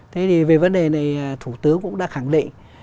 thế thì về vấn đề này thủ tướng cũng đã khẳng định